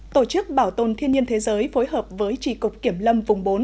tổ chức bảo tồn thiên nhiên thế giới phối hợp với trì cục kiểm lâm vùng bốn